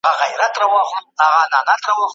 د بـېـزارۍ پـه لــور يـې ګام واخيستـو